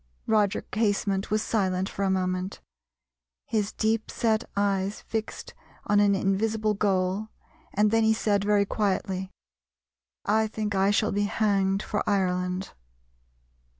Roger Casement was silent for a moment, his deepset eyes fixed on an invisible goal, and then he said very quietly, "I think I shall be hanged for Ireland."